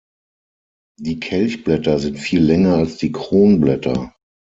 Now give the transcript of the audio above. Die Kelchblätter sind viel länger als die Kronblätter.